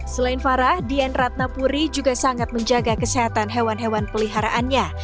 selain farah dian ratnapuri juga sangat menjaga kesehatan hewan hewan peliharaannya